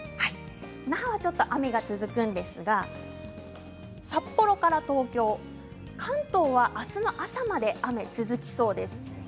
那覇はちょっと雨が続くんですが札幌から東京関東はあすの朝まで雨が続きそうです。